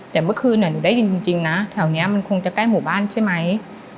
แต่เมื่อคืนหนูได้ยินจริงนะแถวนี้มันคงจะใกล้หมู่บ้านใช่ไหม